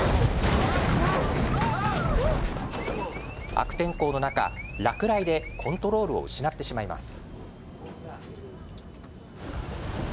悪天候の中、落雷でコントロールを失ってしまいます。